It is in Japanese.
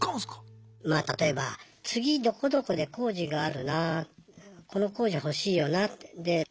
まあ例えば次どこどこで工事があるなあこの工事欲しいよなって。